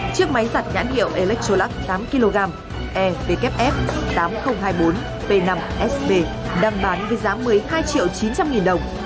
chiếc máy giặt nhãn hiệu electrolux tám kg ewf tám nghìn hai mươi bốn p năm sp đăng bán với giá một mươi hai triệu chín trăm linh nghìn đồng